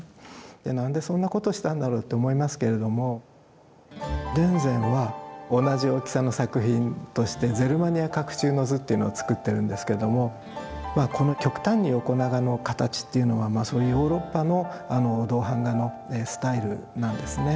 何でそんなことしたんだろうって思いますけれども田善は同じ大きさの作品として「ゼルマニヤ廓中之図」っていうのを作ってるんですけどもこの極端に横長の形っていうのはそういうヨーロッパの銅版画のスタイルなんですね。